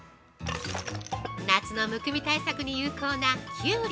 夏のむくみ対策に有効なキュウリ。